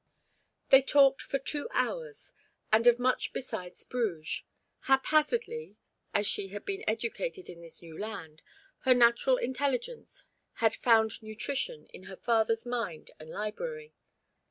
They talked for two hours, and of much beside Bruges. Haphazardly as she had been educated in this new land, her natural intelligence had found nutrition in her father's mind and library.